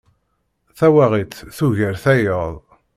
Tawaɣit tugar tayeḍ.